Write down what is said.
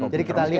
jadi kita lihat